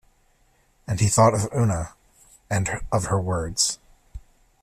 And he thought of Oona, and of her words.